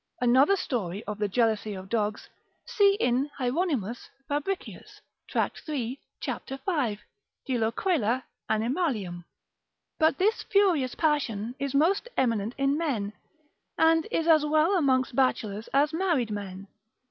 Another story of the jealousy of dogs, see in Hieron. Fabricius, Tract. 3. cap. 5. de loquela animalium. But this furious passion is most eminent in men, and is as well amongst bachelors as married men.